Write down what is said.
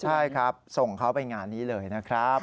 ใช่ครับส่งเขาไปงานนี้เลยนะครับ